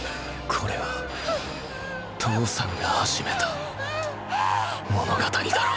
これは父さんが始めた物語だろ。